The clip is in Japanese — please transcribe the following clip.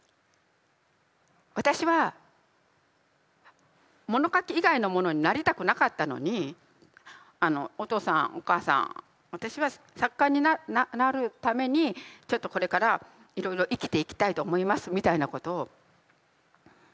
私は物書き以外のものになりたくなかったのにあのお父さんお母さん私は作家になるためにちょっとこれからいろいろ生きていきたいと思いますみたいなことを言えないんですよ。